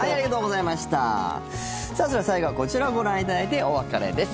それでは最後はこちらをご覧いただいてお別れです。